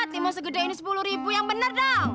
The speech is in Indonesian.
timun segede ini sepuluh yang bener dong